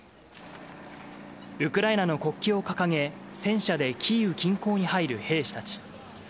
ウクライナの国旗を掲げ、戦車でキーウ近郊に入る兵士たち。